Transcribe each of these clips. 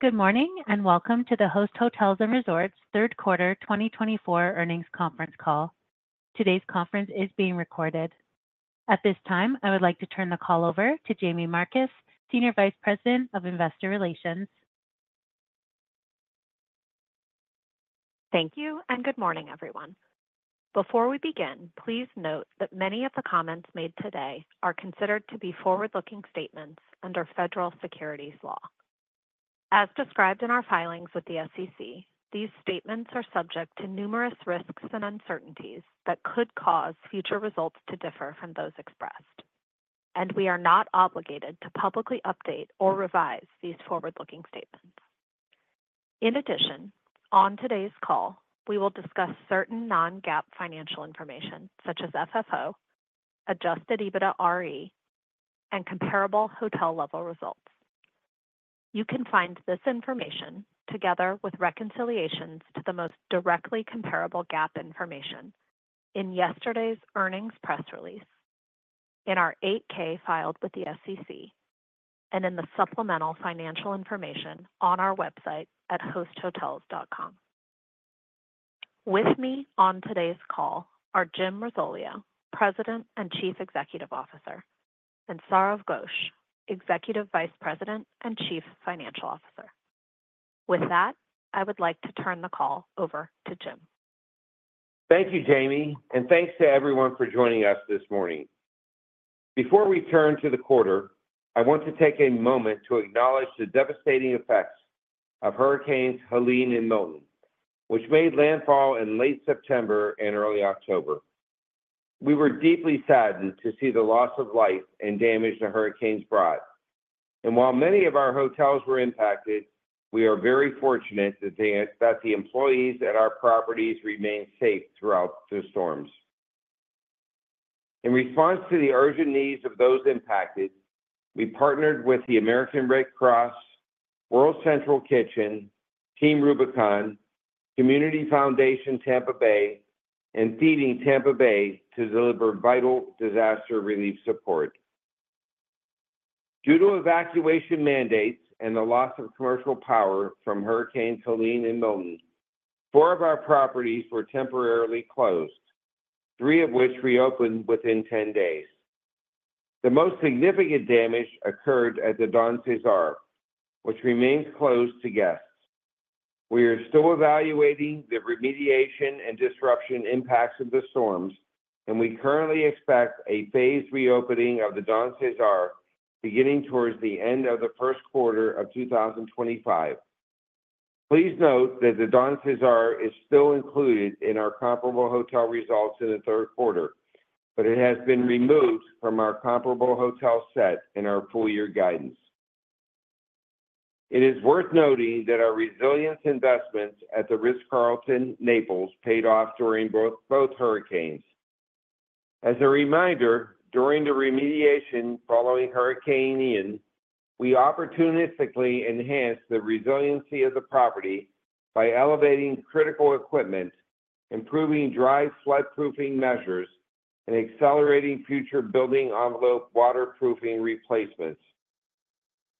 Good morning and welcome to the Host Hotels & Resorts' third quarter 2024 earnings conference call. Today's conference is being recorded. At this time, I would like to turn the call over to Jaime Marcus, Senior Vice President of Investor Relations. Thank you and good morning, everyone. Before we begin, please note that many of the comments made today are considered to be forward-looking statements under federal securities law. As described in our filings with the SEC, these statements are subject to numerous risks and uncertainties that could cause future results to differ from those expressed, and we are not obligated to publicly update or revise these forward-looking statements. In addition, on today's call, we will discuss certain non-GAAP financial information such as FFO, Adjusted EBITDAre, and comparable hotel-level results. You can find this information together with reconciliations to the most directly comparable GAAP information in yesterday's earnings press release, in our 8-K filed with the SEC, and in the supplemental financial information on our website at hosthotels.com. With me on today's call are Jim Risoleo, President and Chief Executive Officer, and Sourav Ghosh, Executive Vice President and Chief Financial Officer. With that, I would like to turn the call over to Jim. Thank you, Jaime, and thanks to everyone for joining us this morning. Before we turn to the quarter, I want to take a moment to acknowledge the devastating effects of Hurricanes Helene and Milton, which made landfall in late September and early October. We were deeply saddened to see the loss of life and damage the hurricanes brought, and while many of our hotels were impacted, we are very fortunate that the employees at our properties remained safe throughout the storms. In response to the urgent needs of those impacted, we partnered with the American Red Cross, World Central Kitchen, Team Rubicon, Community Foundation Tampa Bay, and Feeding Tampa Bay to deliver vital disaster relief support. Due to evacuation mandates and the loss of commercial power from Hurricanes Helene and Milton, four of our properties were temporarily closed, three of which reopened within 10 days. The most significant damage occurred at the Don CeSar, which remains closed to guests. We are still evaluating the remediation and disruption impacts of the storms, and we currently expect a phased reopening of the Don CeSar beginning towards the end of the first quarter of 2025. Please note that the Don CeSar is still included in our comparable hotel results in the third quarter, but it has been removed from our comparable hotel set in our full-year guidance. It is worth noting that our resilience investments at the Ritz-Carlton, Naples, paid off during both hurricanes. As a reminder, during the remediation following Hurricane Ian, we opportunistically enhanced the resiliency of the property by elevating critical equipment, improving dry floodproofing measures, and accelerating future building envelope waterproofing replacements.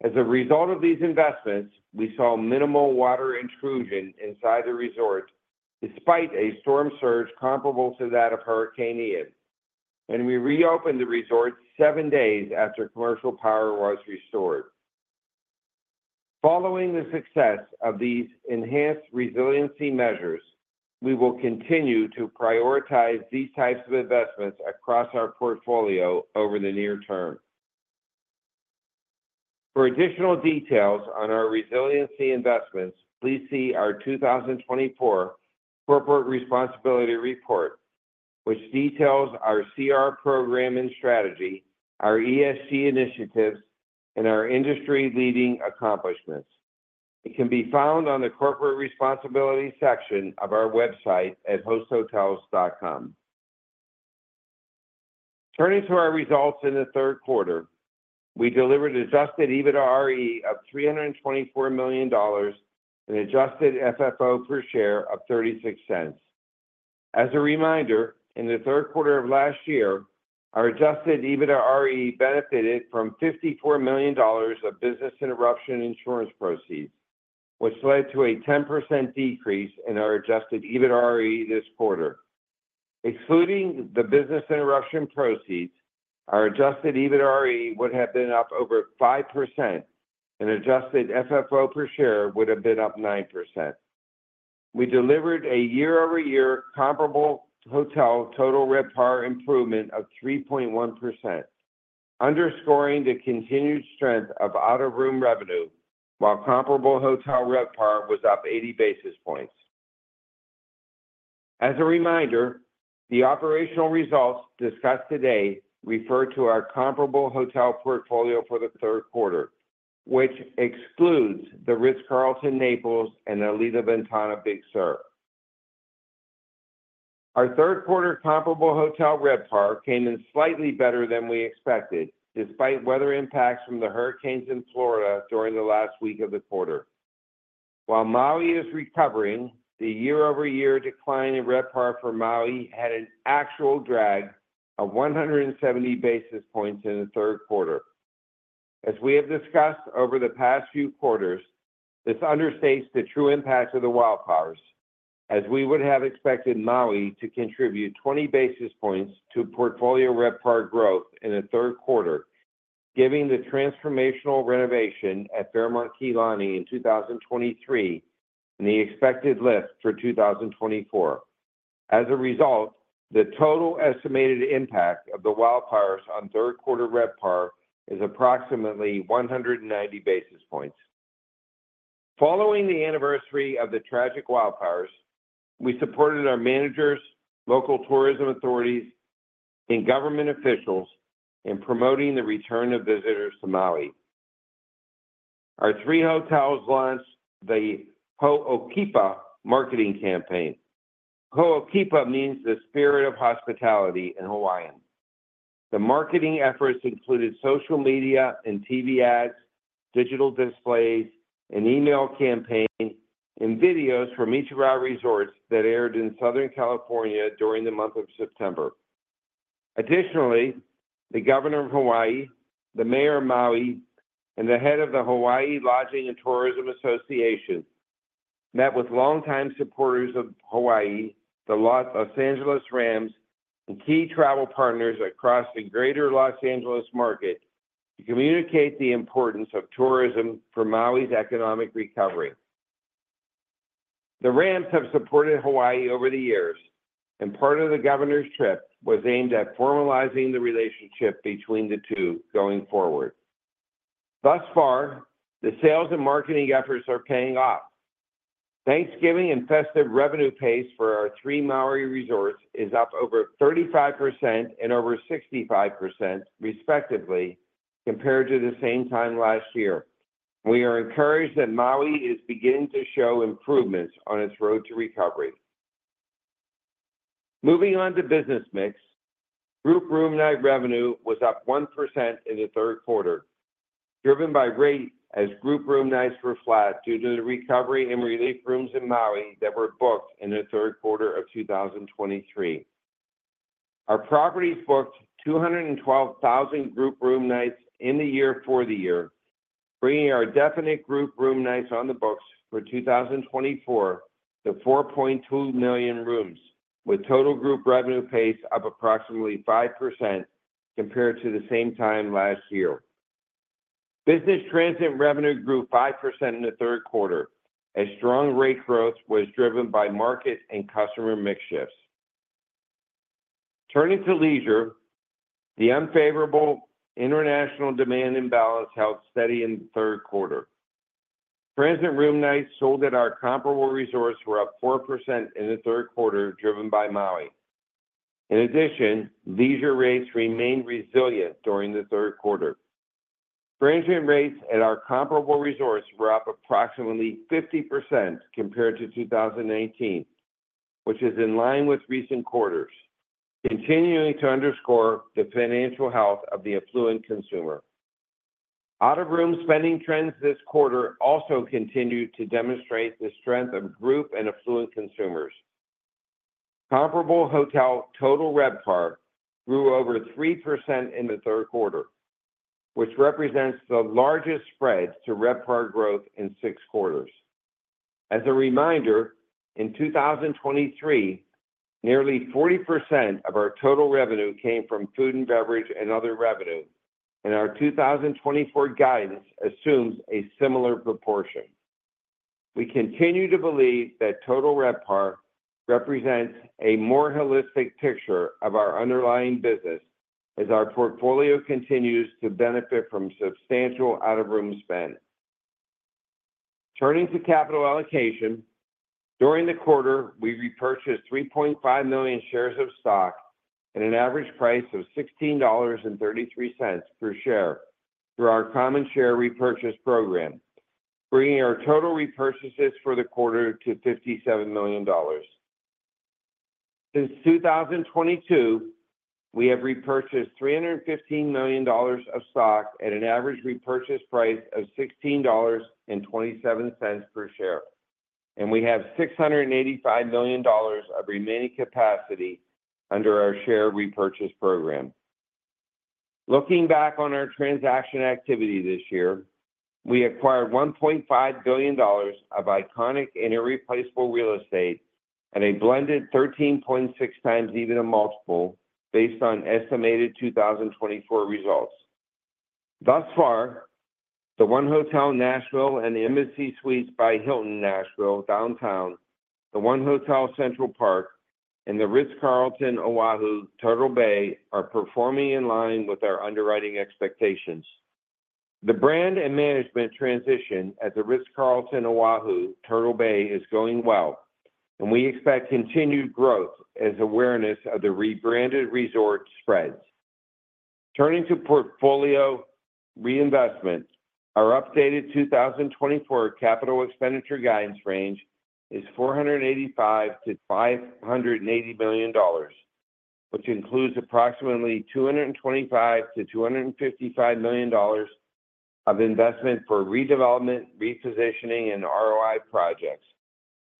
As a result of these investments, we saw minimal water intrusion inside the resort despite a storm surge comparable to that of Hurricane Ian, and we reopened the resort seven days after commercial power was restored. Following the success of these enhanced resiliency measures, we will continue to prioritize these types of investments across our portfolio over the near term. For additional details on our resiliency investments, please see our 2024 corporate responsibility report, which details our CR program and strategy, our ESG initiatives, and our industry-leading accomplishments. It can be found on the corporate responsibility section of our website at hosthotels.com. Turning to our results in the third quarter, we delivered Adjusted EBITDAre of $324 million and Adjusted FFO per share of $0.36. As a reminder, in the third quarter of last year, our Adjusted EBITDAre benefited from $54 million of business interruption insurance proceeds, which led to a 10% decrease in our Adjusted EBITDAre this quarter. Excluding the business interruption proceeds, our Adjusted EBITDAre would have been up over 5%, and adjusted FFO per share would have been up 9%. We delivered a year-over-year comparable hotel Total RevPAR improvement of 3.1%, underscoring the continued strength of out-of-room revenue while comparable hotel RevPAR was up 80 basis points. As a reminder, the operational results discussed today refer to our comparable hotel portfolio for the third quarter, which excludes the Ritz-Carlton Naples and Alila Ventana Big Sur. Our third quarter comparable hotel RevPAR came in slightly better than we expected despite weather impacts from the hurricanes in Florida during the last week of the quarter. While Maui is recovering, the year-over-year decline in RevPAR for Maui had an actual drag of 170 basis points in the third quarter. As we have discussed over the past few quarters, this understates the true impact of the wildfires, as we would have expected Maui to contribute 20 basis points to portfolio RevPAR growth in the third quarter, given the transformational renovation at Fairmont Kea Lani in 2023 and the expected lift for 2024. As a result, the total estimated impact of the wildfires on third quarter RevPAR is approximately 190 basis points. Following the anniversary of the tragic wildfires, we supported our managers, local tourism authorities, and government officials in promoting the return of visitors to Maui. Our three hotels launched the Ho'okipa marketing campaign. Ho'okipa means the spirit of hospitality in Hawaiian. The marketing efforts included social media and TV ads, digital displays, an email campaign, and videos from each of our resorts that aired in Southern California during the month of September. Additionally, the Governor of Hawaii, the Mayor of Maui, and the head of the Hawaii Lodging and Tourism Association met with longtime supporters of Hawaii, the Los Angeles Rams, and key travel partners across the greater Los Angeles market to communicate the importance of tourism for Maui's economic recovery. The Rams have supported Hawaii over the years, and part of the Governor's trip was aimed at formalizing the relationship between the two going forward. Thus far, the sales and marketing efforts are paying off. Thanksgiving and festive revenue pace for our three Maui resorts is up over 35% and over 65%, respectively, compared to the same time last year. We are encouraged that Maui is beginning to show improvements on its road to recovery. Moving on to business mix, group room night revenue was up 1% in the third quarter, driven by rate as group room nights were flat due to the recovery and relief rooms in Maui that were booked in the third quarter of 2023. Our properties booked 212,000 group room nights in the year for the year, bringing our definite group room nights on the books for 2024 to 4.2 million rooms, with total group revenue pace of approximately 5% compared to the same time last year. Business transient revenue grew 5% in the third quarter, as strong rate growth was driven by market and customer mix shifts. Turning to leisure, the unfavorable international demand imbalance held steady in the third quarter. Transient room nights sold at our comparable resorts were up 4% in the third quarter, driven by Maui. In addition, leisure rates remained resilient during the third quarter. Transient rates at our comparable resorts were up approximately 50% compared to 2019, which is in line with recent quarters, continuing to underscore the financial health of the affluent consumer. Out-of-room spending trends this quarter also continued to demonstrate the strength of group and affluent consumers. Comparable hotel Total RevPAR grew over 3% in the third quarter, which represents the largest spread to RevPAR growth in six quarters. As a reminder, in 2023, nearly 40% of our total revenue came from food and beverage and other revenue, and our 2024 guidance assumes a similar proportion. We continue to believe that Total RevPAR represents a more holistic picture of our underlying business as our portfolio continues to benefit from substantial out-of-room spend. Turning to capital allocation, during the quarter, we repurchased 3.5 million shares of stock at an average price of $16.33 per share through our common share repurchase program, bringing our total repurchases for the quarter to $57 million. Since 2022, we have repurchased $315 million of stock at an average repurchase price of $16.27 per share, and we have $685 million of remaining capacity under our share repurchase program. Looking back on our transaction activity this year, we acquired $1.5 billion of iconic and irreplaceable real estate at a blended 13.6 times EBITDA multiple based on estimated 2024 results. Thus far, the 1 Hotel Nashville and the Embassy Suites by Hilton Nashville Downtown, the 1 Hotel Central Park, and the Ritz-Carlton O'ahu Turtle Bay are performing in line with our underwriting expectations. The brand and management transition at the Ritz-Carlton O'ahu Turtle Bay is going well, and we expect continued growth as awareness of the rebranded resort spreads. Turning to portfolio reinvestment, our updated 2024 capital expenditure guidance range is $485 million-$580 million, which includes approximately $225 million-$255 million of investment for redevelopment, repositioning, and ROI projects,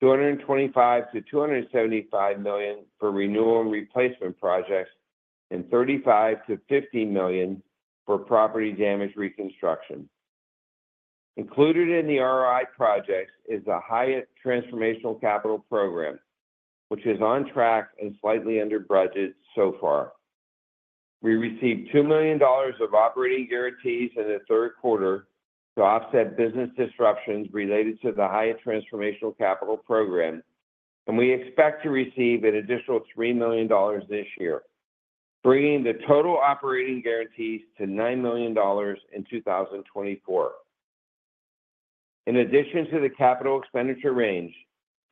$225 million-$275 million for renewal and replacement projects, and $35 million-$50 million for property damage reconstruction. Included in the ROI projects is the Hyatt Transformational Capital Program, which is on track and slightly under budget so far. We received $2 million of operating guarantees in the third quarter to offset business disruptions related to the Hyatt Transformational Capital Program, and we expect to receive an additional $3 million this year, bringing the total operating guarantees to $9 million in 2024. In addition to the capital expenditure range,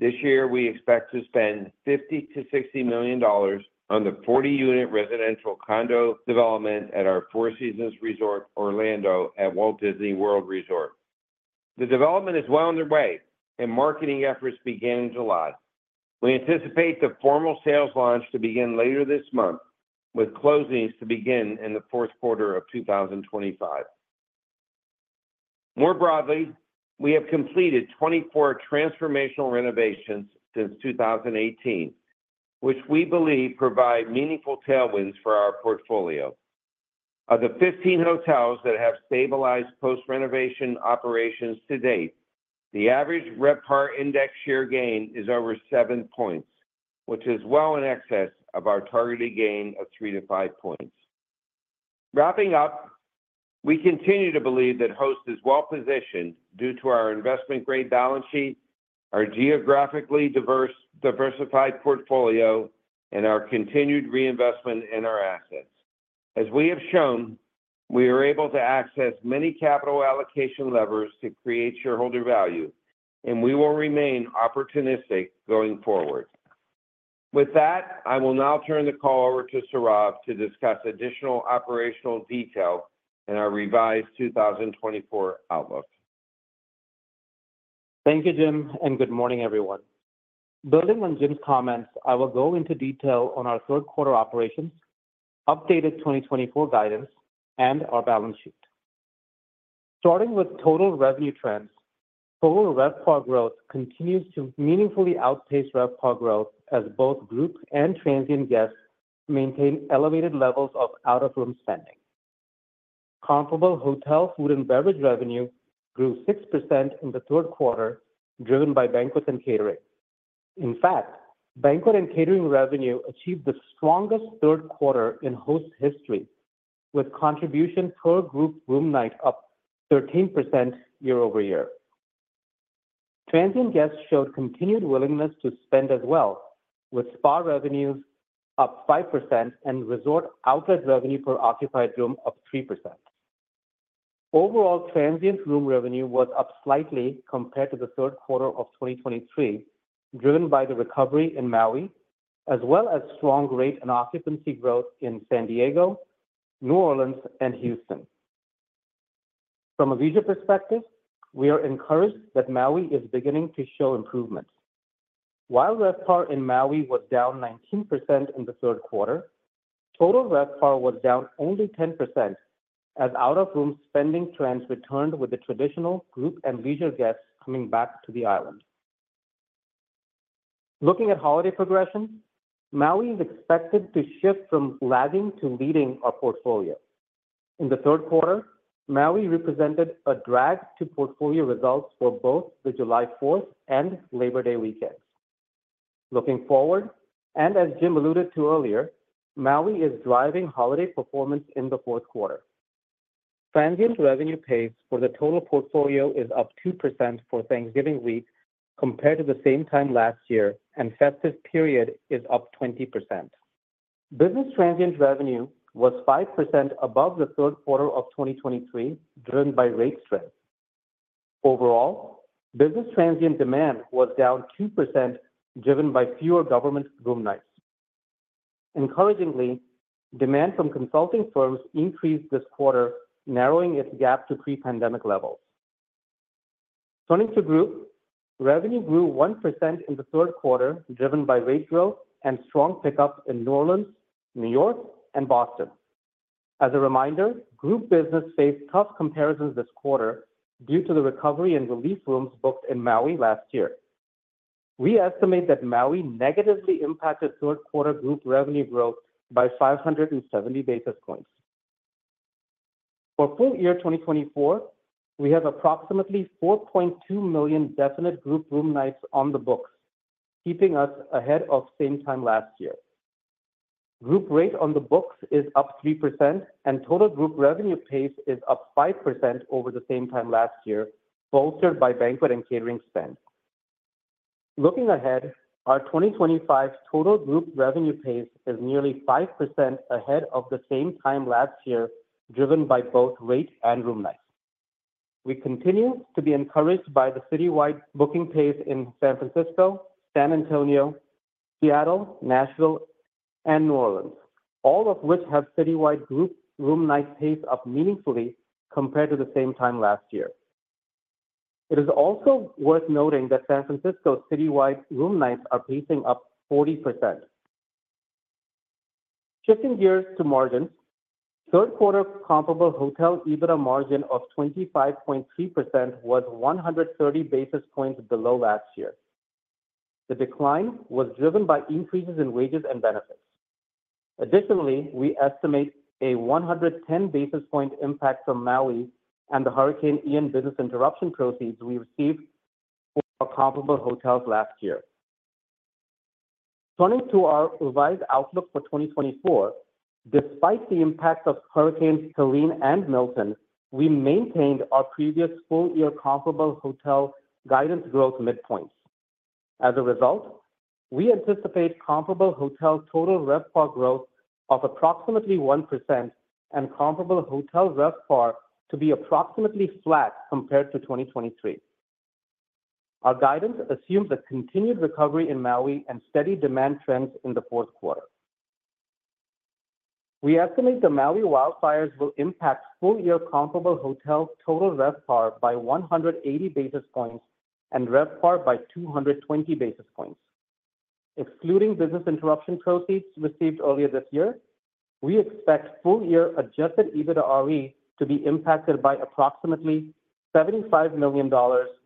this year we expect to spend $50 million-$60 million on the 40-unit residential condo development at our Four Seasons Resort Orlando at Walt Disney World Resort. The development is well underway, and marketing efforts began in July. We anticipate the formal sales launch to begin later this month, with closings to begin in the fourth quarter of 2025. More broadly, we have completed 24 transformational renovations since 2018, which we believe provide meaningful tailwinds for our portfolio. Of the 15 hotels that have stabilized post-renovation operations to date, the average RevPAR index share gain is over 7 points, which is well in excess of our targeted gain of 3-5 points. Wrapping up, we continue to believe that Host is well positioned due to our investment-grade balance sheet, our geographically diversified portfolio, and our continued reinvestment in our assets. As we have shown, we are able to access many capital allocation levers to create shareholder value, and we will remain opportunistic going forward. With that, I will now turn the call over to Sourav to discuss additional operational detail in our revised 2024 outlook. Thank you, Jim, and good morning, everyone. Building on Jim's comments, I will go into detail on our third quarter operations, updated 2024 guidance, and our balance sheet. Starting with total revenue trends, Total RevPAR growth continues to meaningfully outpace RevPAR growth as both group and transient guests maintain elevated levels of out-of-room spending. Comparable hotel food and beverage revenue grew 6% in the third quarter, driven by banquets and catering. In fact, banquet and catering revenue achieved the strongest third quarter in Host's history, with contribution per group room night up 13% year-over-year. Transient guests showed continued willingness to spend as well, with spa revenues up 5% and resort outlet revenue per occupied room up 3%. Overall, transient room revenue was up slightly compared to the third quarter of 2023, driven by the recovery in Maui, as well as strong rate and occupancy growth in San Diego, New Orleans, and Houston. From a visitation perspective, we are encouraged that Maui is beginning to show improvements. While RevPAR in Maui was down 19% in the third quarter, Total RevPAR was down only 10% as out-of-room spending trends returned with the traditional group and leisure guests coming back to the island. Looking at holiday progression, Maui is expected to shift from lagging to leading our portfolio. In the third quarter, Maui represented a drag to portfolio results for both the July 4th and Labor Day weekends. Looking forward, and as Jim alluded to earlier, Maui is driving holiday performance in the fourth quarter. Transient revenue pace for the total portfolio is up 2% for Thanksgiving week compared to the same time last year, and festive period is up 20%. Business transient revenue was 5% above the third quarter of 2023, driven by rate strength. Overall, business transient demand was down 2%, driven by fewer government room nights. Encouragingly, demand from consulting firms increased this quarter, narrowing its gap to pre-pandemic levels. Turning to group, revenue grew 1% in the third quarter, driven by rate growth and strong pickups in New Orleans, New York, and Boston. As a reminder, group business faced tough comparisons this quarter due to the recovery and relief rooms booked in Maui last year. We estimate that Maui negatively impacted third quarter group revenue growth by 570 basis points. For full year 2024, we have approximately 4.2 million definite group room nights on the books, keeping us ahead of same time last year. Group rate on the books is up 3%, and total group revenue pace is up 5% over the same time last year, bolstered by banquet and catering spend. Looking ahead, our 2025 total group revenue pace is nearly 5% ahead of the same time last year, driven by both rate and room nights. We continue to be encouraged by the citywide booking pace in San Francisco, San Antonio, Seattle, Nashville, and New Orleans, all of which have citywide group room night pace up meaningfully compared to the same time last year. It is also worth noting that San Francisco citywide room nights are pacing up 40%. Shifting gears to margins, third quarter comparable hotel EBITDA margin of 25.3% was 130 basis points below last year. The decline was driven by increases in wages and benefits. Additionally, we estimate a 110 basis point impact from Maui and the Hurricane Ian business interruption proceeds we received for comparable hotels last year. Turning to our revised outlook for 2024, despite the impact of Hurricanes Helene and Milton, we maintained our previous full year comparable hotel guidance growth mid-points. As a result, we anticipate comparable hotel Total RevPAR growth of approximately 1% and comparable hotel RevPAR to be approximately flat compared to 2023. Our guidance assumes a continued recovery in Maui and steady demand trends in the fourth quarter. We estimate the Maui wildfires will impact full year comparable hotel Total RevPAR by 180 basis points and RevPAR by 220 basis points. Excluding business interruption proceeds received earlier this year, we expect full year Adjusted EBITDAre to be impacted by approximately $75 million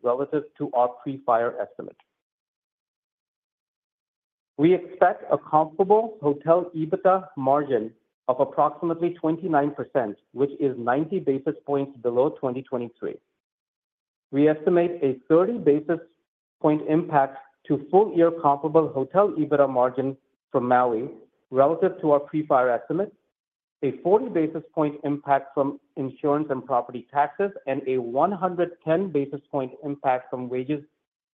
relative to our pre-fire estimate. We expect a comparable hotel EBITDA margin of approximately 29%, which is 90 basis points below 2023. We estimate a 30 basis point impact to full year comparable hotel EBITDA margin from Maui relative to our pre-fire estimate, a 40 basis point impact from insurance and property taxes, and a 110 basis point impact from wages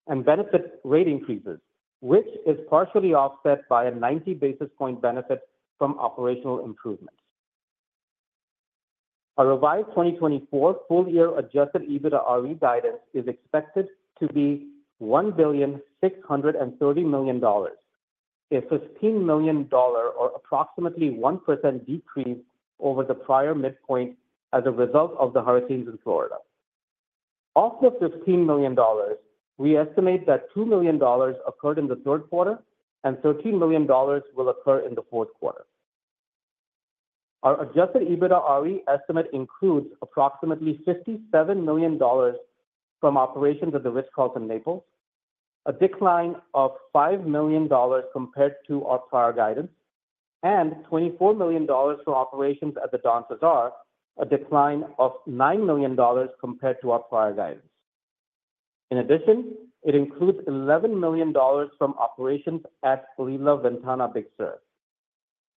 and benefit rate increases, which is partially offset by a 90 basis point benefit from operational improvements. Our revised 2024 full year Adjusted EBITDAre guidance is expected to be $1,630 million, a $15 million or approximately 1% decrease over the prior midpoint as a result of the hurricanes in Florida. Off the $15 million, we estimate that $2 million occurred in the third quarter and $13 million will occur in the fourth quarter. Our Adjusted EBITDAre estimate includes approximately $57 million from operations at the Ritz-Carlton Naples, a decline of $5 million compared to our prior guidance, and $24 million from operations at the Don CeSar, a decline of $9 million compared to our prior guidance. In addition, it includes $11 million from operations at Alila Ventana Big Sur.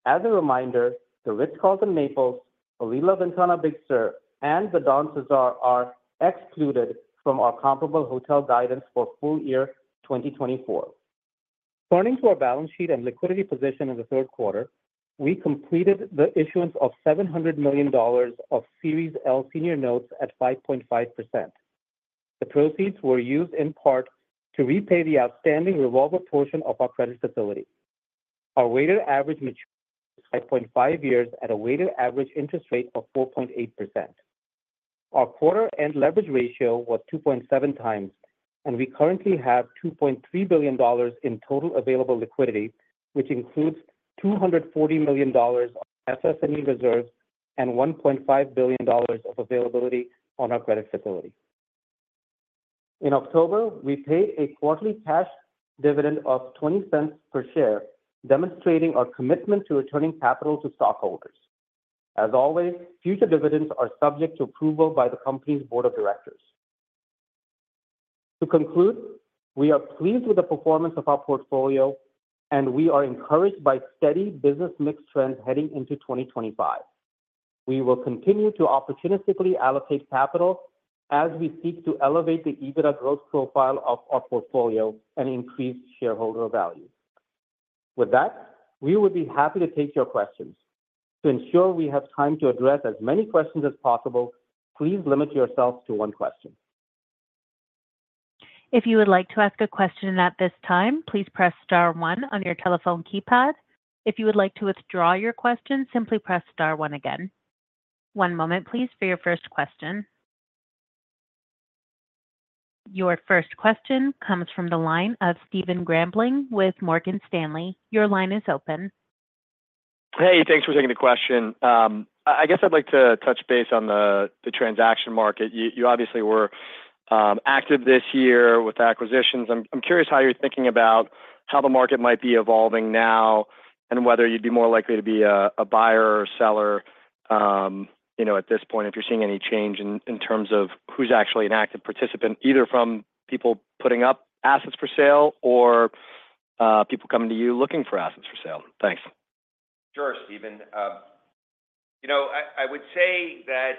As a reminder, the Ritz-Carlton Naples, Alila Ventana Big Sur, and the Don CeSar are excluded from our comparable hotel guidance for full year 2024. Turning to our balance sheet and liquidity position in the third quarter, we completed the issuance of $700 million of Series L Senior Notes at 5.5%. The proceeds were used in part to repay the outstanding revolver portion of our credit facility. Our weighted average maturity is 5.5 years at a weighted average interest rate of 4.8%. Our quarter-end leverage ratio was 2.7 times, and we currently have $2.3 billion in total available liquidity, which includes $240 million of FF&E reserves and $1.5 billion of availability on our credit facility. In October, we paid a quarterly cash dividend of $0.20 per share, demonstrating our commitment to returning capital to stockholders. As always, future dividends are subject to approval by the company's board of directors. To conclude, we are pleased with the performance of our portfolio, and we are encouraged by steady business mix trends heading into 2025. We will continue to opportunistically allocate capital as we seek to elevate the EBITDA growth profile of our portfolio and increase shareholder value. With that, we would be happy to take your questions. To ensure we have time to address as many questions as possible, please limit yourself to one question. If you would like to ask a question at this time, please press star one on your telephone keypad. If you would like to withdraw your question, simply press star one again. One moment, please, for your first question. Your first question comes from the line of Stephen Grambling with Morgan Stanley. Your line is open. Hey, thanks for taking the question. I guess I'd like to touch base on the transaction market. You obviously were active this year with acquisitions. I'm curious how you're thinking about how the market might be evolving now and whether you'd be more likely to be a buyer or seller at this point, if you're seeing any change in terms of who's actually an active participant, either from people putting up assets for sale or people coming to you looking for assets for sale. Thanks. Sure, Stephen. I would say that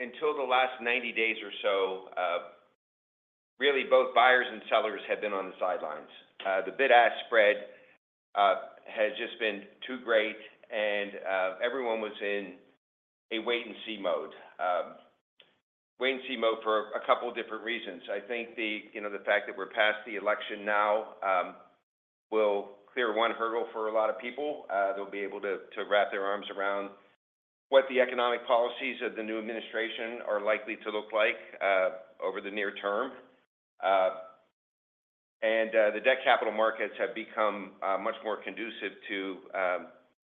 until the last 90 days or so, really both buyers and sellers have been on the sidelines. The bid-ask spread has just been too great, and everyone was in a wait-and-see mode. Wait-and-see mode for a couple of different reasons. I think the fact that we're past the election now will clear one hurdle for a lot of people. They'll be able to wrap their arms around what the economic policies of the new administration are likely to look like over the near term. And the debt capital markets have become much more conducive to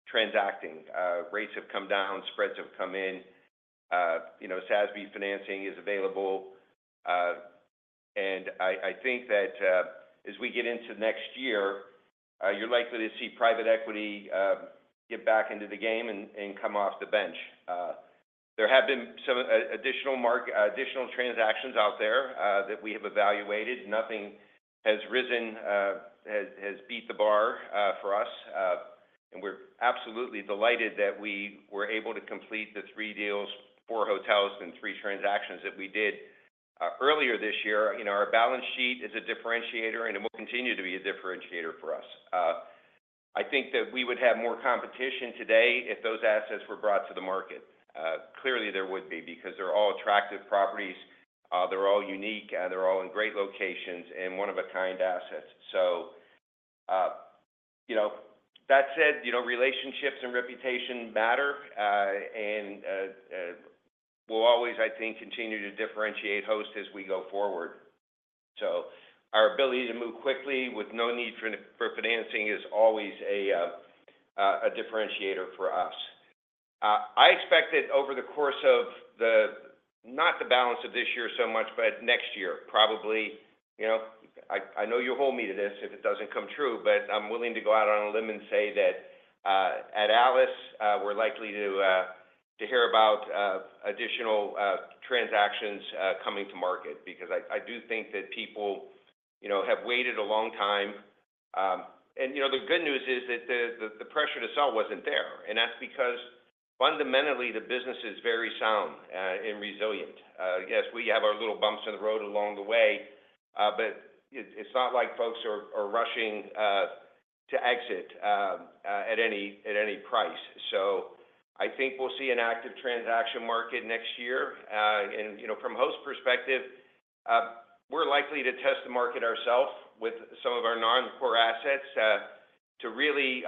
transacting. Rates have come down, spreads have come in, SASB financing is available. And I think that as we get into next year, you're likely to see private equity get back into the game and come off the bench. There have been some additional transactions out there that we have evaluated. Nothing has risen has beat the bar for us. And we're absolutely delighted that we were able to complete the three deals, four hotels, and three transactions that we did earlier this year. Our balance sheet is a differentiator, and it will continue to be a differentiator for us. I think that we would have more competition today if those assets were brought to the market. Clearly, there would be because they're all attractive properties. They're all unique, and they're all in great locations and one-of-a-kind assets. So that said, relationships and reputation matter. And we'll always, I think, continue to differentiate Host as we go forward. So our ability to move quickly with no need for financing is always a differentiator for us. I expect that over the course of the not the balance of this year so much, but next year, probably. I know you'll hold me to this if it doesn't come true, but I'm willing to go out on a limb and say that at least, we're likely to hear about additional transactions coming to market because I do think that people have waited a long time. And the good news is that the pressure to sell wasn't there. And that's because fundamentally, the business is very sound and resilient. Yes, we have our little bumps in the road along the way, but it's not like folks are rushing to exit at any price. So I think we'll see an active transaction market next year. And from Host's perspective, we're likely to test the market ourselves with some of our non-core assets to really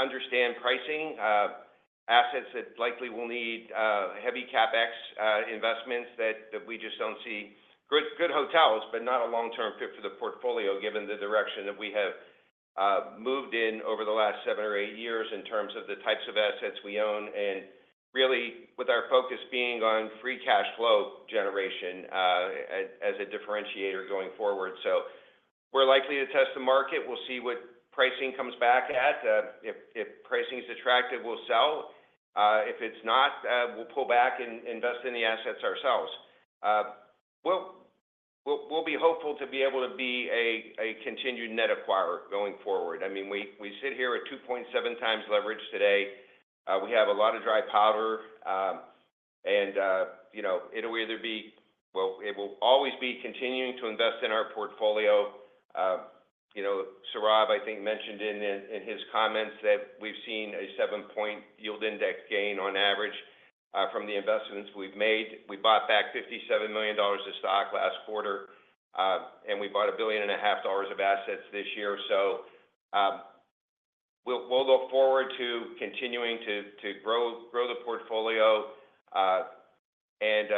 understand pricing, assets that likely will need heavy CapEx investments that we just don't see. Good hotels, but not a long-term fit for the portfolio given the direction that we have moved in over the last seven or eight years in terms of the types of assets we own. And really, with our focus being on free cash flow generation as a differentiator going forward. So we're likely to test the market. We'll see what pricing comes back at. If pricing is attractive, we'll sell. If it's not, we'll pull back and invest in the assets ourselves. We'll be hopeful to be able to be a continued net acquirer going forward. I mean, we sit here at 2.7 times leverage today. We have a lot of dry powder, and it'll either be well, it will always be continuing to invest in our portfolio. Sourav, I think, mentioned in his comments that we've seen a seven-point yield index gain on average from the investments we've made. We bought back $57 million of stock last quarter, and we bought $1.5 billion of assets this year. So we'll look forward to continuing to grow the portfolio. And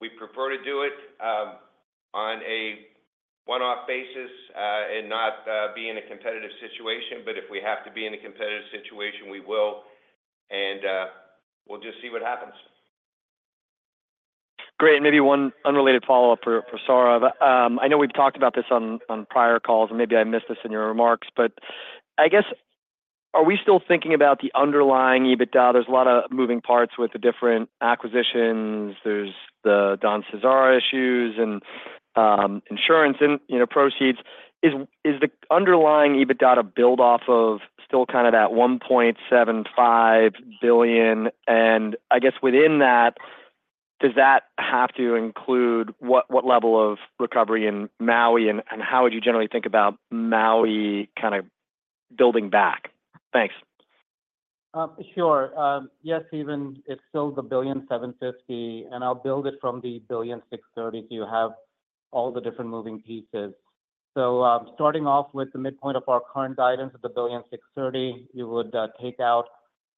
we prefer to do it on a one-off basis and not be in a competitive situation. But if we have to be in a competitive situation, we will, and we'll just see what happens. Great. And maybe one unrelated follow-up for Sourav. I know we've talked about this on prior calls, and maybe I missed this in your remarks, but I guess, are we still thinking about the underlying EBITDA? There's a lot of moving parts with the different acquisitions. There's the Don CeSar issues and insurance and proceeds. Is the underlying EBITDA a build-off of still kind of that $1.75 billion? And I guess within that, does that have to include what level of recovery in Maui? And how would you generally think about Maui kind of building back? Thanks. Sure. Yes, Stephen, it's still the $1.75 billion, and I'll build it from the $1.63 billion to have all the different moving pieces. So starting off with the midpoint of our current guidance of the $1.63 billion, you would take out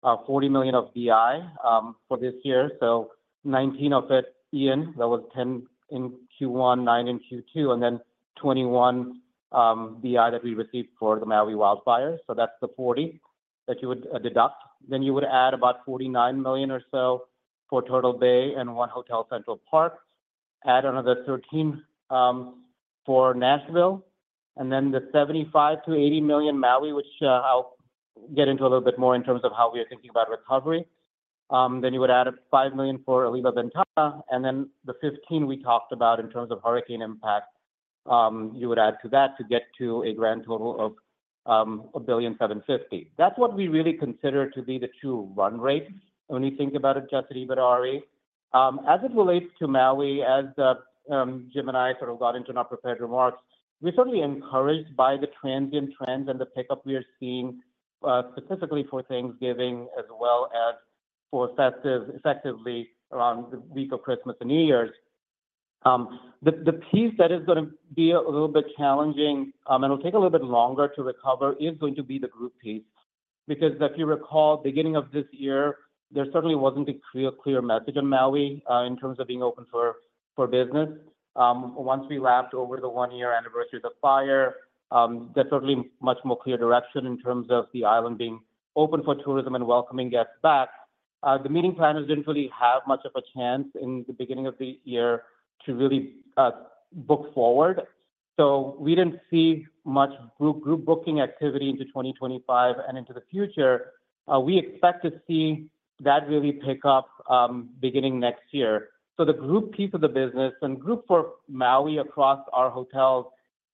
$40 million of BI for this year. So $19 of it in, that was $10 in Q1, $9 in Q2, and then $21 BI that we received for the Maui wildfires. So that's the $40 million that you would deduct. Then you would add about $49 million or so for Turtle Bay and 1 Hotel Central Park, add another $13 million for Nashville, and then the $75 million-$80 million Maui, which I'll get into a little bit more in terms of how we are thinking about recovery. Then you would add $5 million for Alila Ventana Big Sur, and then the $15 million we talked about in terms of hurricane impact, you would add to that to get to a grand total of $1.75 billion. That's what we really consider to be the true run rate. When you think about Adjusted EBITDAre, as it relates to Maui, as Jim and I sort of got into in prepared remarks, we're certainly encouraged by the transient trends and the pickup we are seeing specifically for Thanksgiving as well as for festivities around the week of Christmas and New Year's. The piece that is going to be a little bit challenging and will take a little bit longer to recover is going to be the group piece because if you recall, beginning of this year, there certainly wasn't a clear message on Maui in terms of being open for business. Once we lapped over the one-year anniversary of the fire, there's certainly much more clear direction in terms of the island being open for tourism and welcoming guests back. The meeting planners didn't really have much of a chance in the beginning of the year to really book forward. So we didn't see much group booking activity into 2025 and into the future. We expect to see that really pick up beginning next year. So the group piece of the business and group for Maui across our hotels,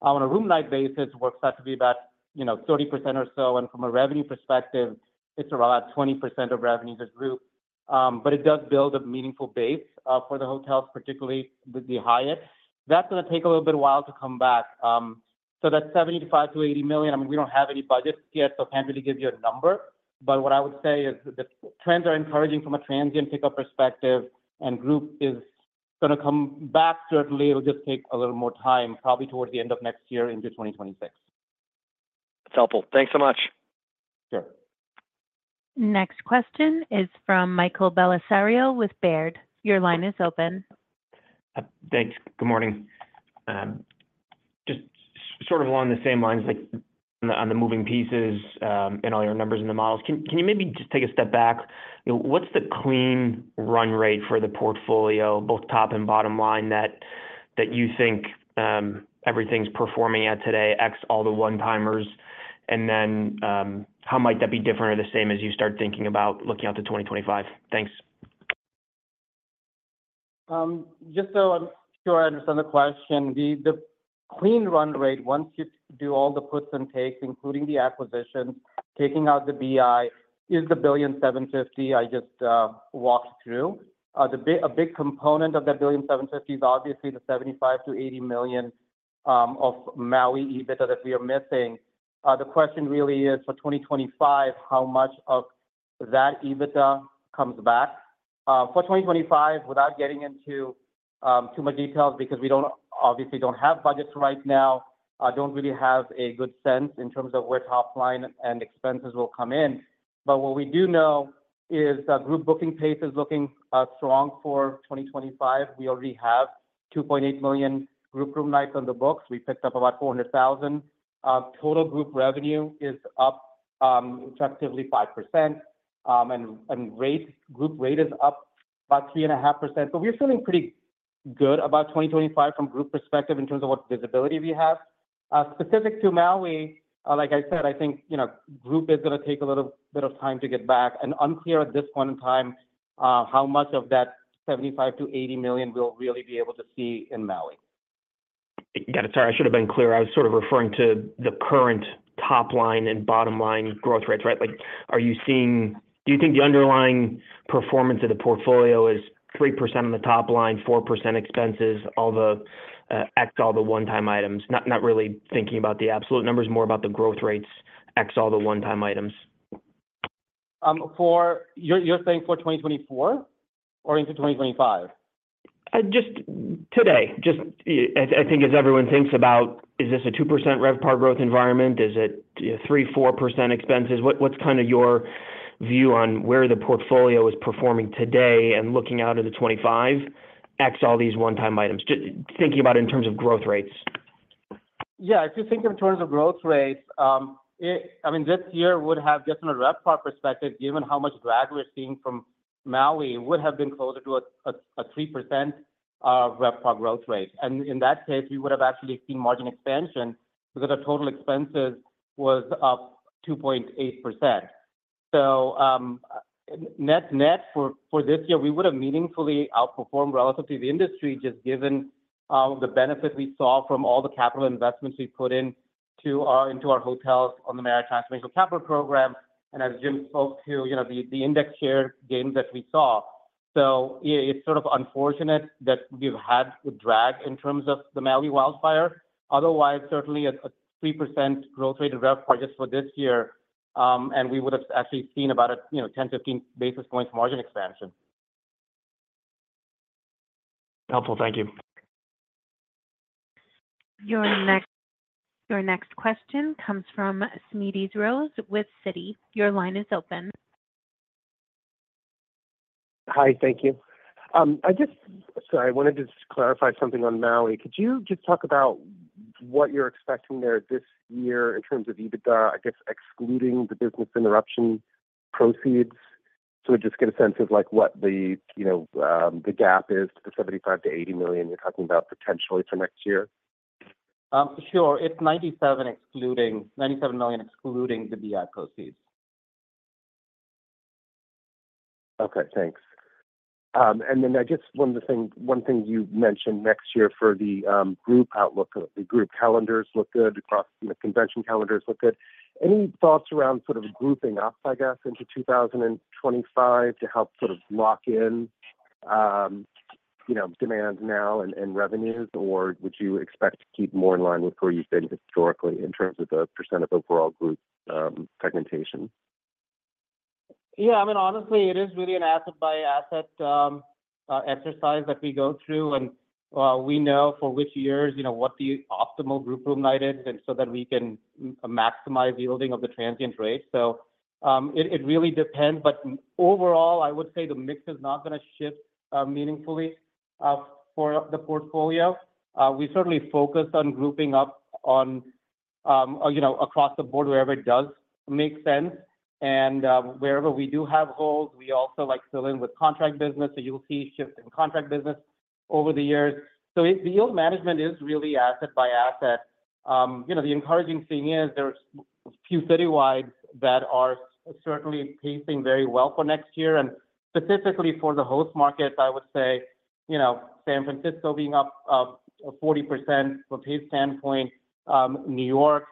on a room night basis, works out to be about 30% or so. And from a revenue perspective, it's around 20% of revenues as group. But it does build a meaningful base for the hotels, particularly with the Hyatt. That's going to take a little bit of a while to come back. So that $75 million-$80 million, I mean, we don't have any budgets yet, so I can't really give you a number. But what I would say is the trends are encouraging from a transient pickup perspective, and group is going to come back. Certainly, it'll just take a little more time, probably towards the end of next year into 2026. That's helpful. Thanks so much. Sure. Next question is from Michael Bellisario with Baird. Your line is open. Thanks. Good morning. Just sort of along the same lines on the moving pieces and all your numbers and the models, can you maybe just take a step back? What's the clean run rate for the portfolio, both top and bottom line, that you think everything's performing at today ex all the one-timers? And then how might that be different or the same as you start thinking about looking out to 2025? Thanks. Just so I'm sure I understand the question, the clean run rate, once you do all the puts and takes, including the acquisitions, taking out the BI, is the $1.75 billion I just walked through. A big component of that $1.75 billion is obviously the $75 million-$80 million of Maui EBITDA that we are missing. The question really is for 2025, how much of that EBITDA comes back for 2025 without getting into too much detail because we obviously don't have budgets right now, don't really have a good sense in terms of where top line and expenses will come in. But what we do know is group booking pace is looking strong for 2025. We already have 2.8 million group room nights on the books. We picked up about 400,000. Total group revenue is up effectively 5%, and group rate is up about 3.5%. But we're feeling pretty good about 2025 from group perspective in terms of what visibility we have. Specific to Maui, like I said, I think group is going to take a little bit of time to get back. Unclear at this point in time how much of that $75 million-$80 million we'll really be able to see in Maui. Got it. Sorry, I should have been clear. I was sort of referring to the current top line and bottom line growth rates, right? Are you seeing? Do you think the underlying performance of the portfolio is 3% on the top line, 4% expenses ex all the one-time items? Not really thinking about the absolute numbers, more about the growth rates ex all the one-time items. You're saying for 2024 or into 2025? Just today. Just, I think as everyone thinks about, is this a 2% RevPAR growth environment? Is it 3%-4% expenses? What's kind of your view on where the portfolio is performing today and looking out to the 25 ex all these one-time items? Thinking about it in terms of growth rates. Yeah. If you think in terms of growth rates, I mean, this year would have just from a RevPAR perspective, given how much drag we're seeing from Maui, would have been closer to a 3% RevPAR growth rate. And in that case, we would have actually seen margin expansion because our total expenses was up 2.8%. So net for this year, we would have meaningfully outperformed relative to the industry just given the benefit we saw from all the capital investments we put into our hotels on the Hyatt Transformational Capital Program. And as Jim spoke to, the index share gains that we saw. So it's sort of unfortunate that we've had drag in terms of the Maui wildfire. Otherwise, certainly a 3% growth rate of RevPAR just for this year, and we would have actually seen about a 10-15 basis points margin expansion. Helpful. Thank you. Your next question comes from Smedes Rose with Citi. Your line is open. Hi. Thank you. Sorry, I wanted to just clarify something on Maui. Could you just talk about what you're expecting there this year in terms of EBITDA, I guess, excluding the business interruption proceeds? So just get a sense of what the gap is to the $75 million-$80 million you're talking about potentially for next year. Sure. It's $97 million excluding the BI proceeds. Okay. Thanks. And then I guess one thing you mentioned next year for the group outlook, the group calendars look good across the convention calendars look good. Any thoughts around sort of grouping up, I guess, into 2025 to help sort of lock in demand now and revenues, or would you expect to keep more in line with where you've been historically in terms of the percent of overall group segmentation? Yeah. I mean, honestly, it is really an asset-by-asset exercise that we go through, and we know for which years what the optimal group room night is so that we can maximize yielding of the transient rate. So it really depends. But overall, I would say the mix is not going to shift meaningfully for the portfolio. We certainly focus on grouping up across the board wherever it does make sense. And wherever we do have holes, we also fill in with contract business. So you'll see shift in contract business over the years. So the yield management is really asset-by-asset. The encouraging thing is there's a few citywides that are certainly pacing very well for next year, and specifically for the Host markets, I would say San Francisco being up 40% from a pace standpoint, New York,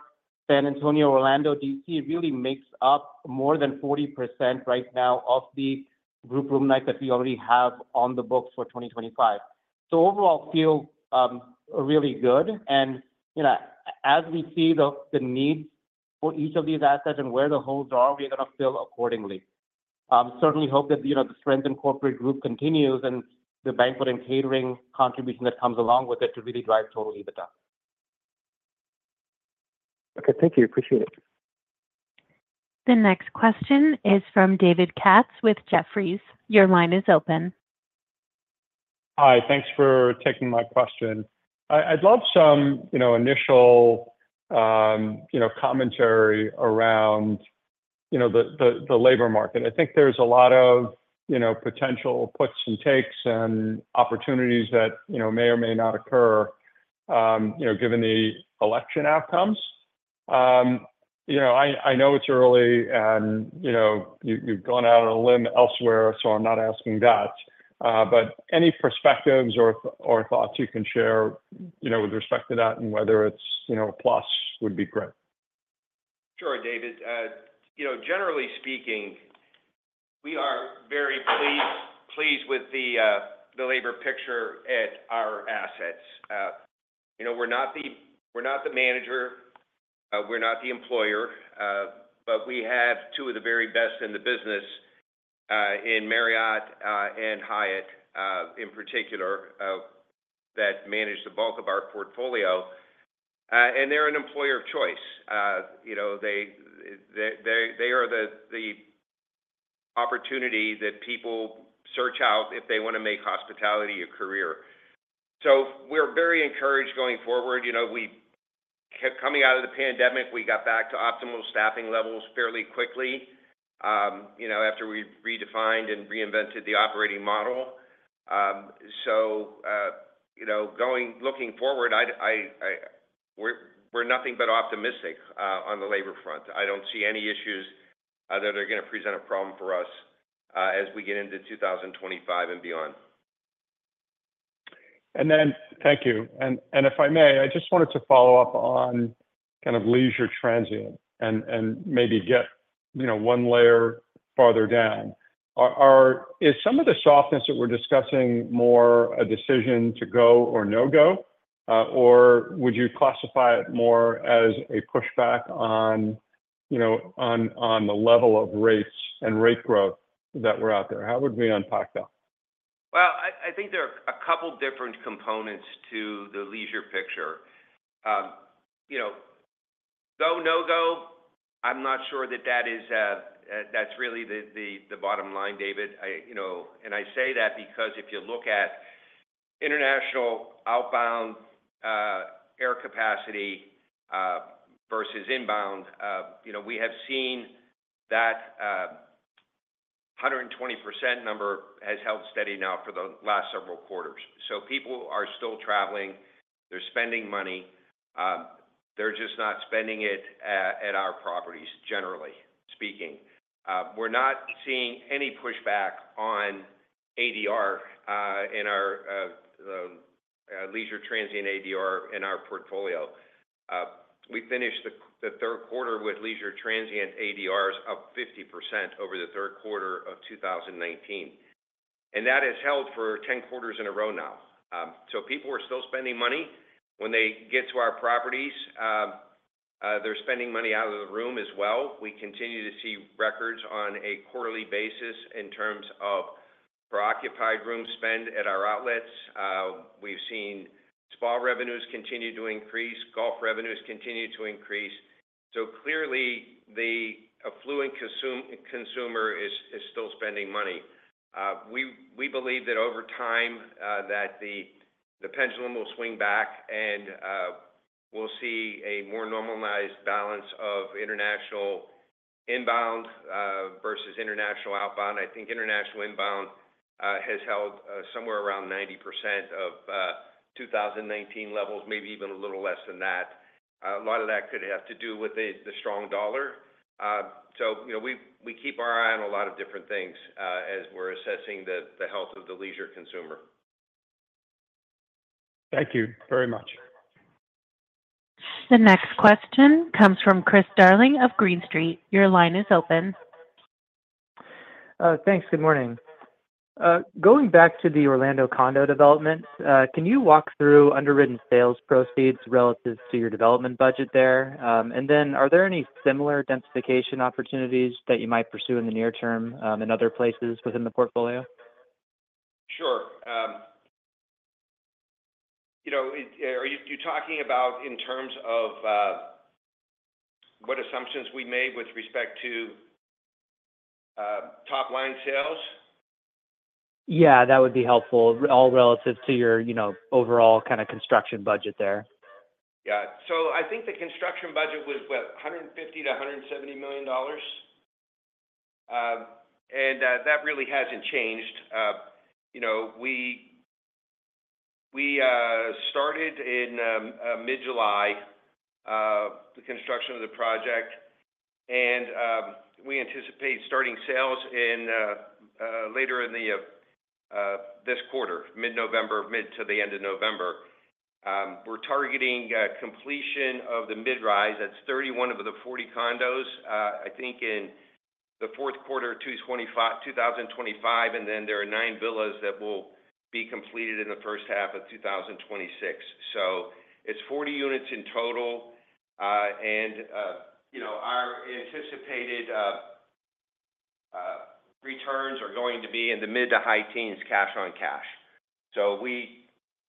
San Antonio, Orlando, D.C. really makes up more than 40% right now of the group room nights that we already have on the books for 2025, so overall feel really good, and as we see the needs for each of these assets and where the holes are, we're going to fill accordingly. Certainly hope that the strength in corporate group continues and the Banquet and Catering contribution that comes along with it to really drive total EBITDA. Okay. Thank you. Appreciate it. The next question is from David Katz with Jefferies. Your line is open. Hi. Thanks for taking my question. I'd love some initial commentary around the labor market. I think there's a lot of potential puts and takes and opportunities that may or may not occur given the election outcomes. I know it's early, and you've gone out on a limb elsewhere, so I'm not asking that. But any perspectives or thoughts you can share with respect to that and whether it's a plus would be great. Sure, David. Generally speaking, we are very pleased with the labor picture at our assets. We're not the manager. We're not the employer. But we have two of the very best in the business in Marriott and Hyatt in particular that manage the bulk of our portfolio. And they're an employer of choice. They are the opportunity that people search out if they want to make hospitality a career. So we're very encouraged going forward. Coming out of the pandemic, we got back to optimal staffing levels fairly quickly after we redefined and reinvented the operating model. So looking forward, we're nothing but optimistic on the labor front. I don't see any issues that are going to present a problem for us as we get into 2025 and beyond. And then, thank you. And if I may, I just wanted to follow up on kind of leisure transient and maybe get one layer farther down. Is some of the softness that we're discussing more a decision to go or no go, or would you classify it more as a pushback on the level of rates and rate growth that we're out there? How would we unpack that? Well, I think there are a couple of different components to the leisure picture. Go/no go, I'm not sure that that's really the bottom line, David. I say that because if you look at international outbound air capacity versus inbound, we have seen that 120% number has held steady now for the last several quarters. So people are still traveling. They're spending money. They're just not spending it at our properties, generally speaking. We're not seeing any pushback on ADR in our leisure transient ADR in our portfolio. We finished the third quarter with leisure transient ADRs up 50% over the third quarter of 2019. That has held for 10 quarters in a row now. So people are still spending money. When they get to our properties, they're spending money out of the room as well. We continue to see records on a quarterly basis in terms of per occupied room spend at our outlets. We've seen spa revenues continue to increase. Golf revenues continue to increase. So clearly, the affluent consumer is still spending money. We believe that over time that the pendulum will swing back, and we'll see a more normalized balance of international inbound versus international outbound. I think international inbound has held somewhere around 90% of 2019 levels, maybe even a little less than that. A lot of that could have to do with the strong dollar. So we keep our eye on a lot of different things as we're assessing the health of the leisure consumer. Thank you very much. The next question comes from Chris Darling of Green Street. Your line is open. Thanks. Good morning. Going back to the Orlando condo development, can you walk through underwritten sales proceeds relative to your development budget there? And then are there any similar densification opportunities that you might pursue in the near term in other places within the portfolio? Sure. Are you talking about in terms of what assumptions we made with respect to top line sales? Yeah. That would be helpful. All relative to your overall kind of construction budget there. Yeah. I think the construction budget was, what, $150 million-$170 million. That really hasn't changed. We started in mid-July the construction of the project, and we anticipate starting sales later in this quarter, mid-November, mid to the end of November. We're targeting completion of the mid-rise. That's 31 of the 40 condos, I think, in the fourth quarter of 2025. Then there are nine villas that will be completed in the first half of 2026. It's 40 units in total. Our anticipated returns are going to be in the mid to high teens cash on cash. We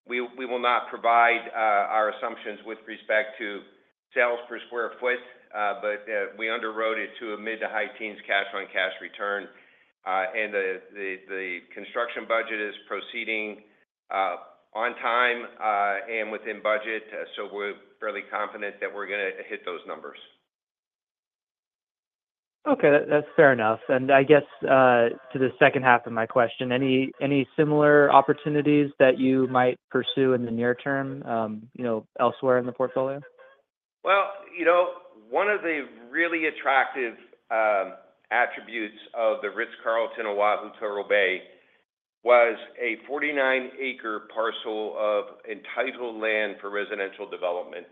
will not provide our assumptions with respect to sales per square foot, but we underwrote it to a mid to high teens cash on cash return. And the construction budget is proceeding on time and within budget. So we're fairly confident that we're going to hit those numbers. Okay. That's fair enough. And I guess to the second half of my question, any similar opportunities that you might pursue in the near term elsewhere in the portfolio? Well, one of the really attractive attributes of the Ritz-Carlton O'ahu, Turtle Bay was a 49-acre parcel of entitled land for residential development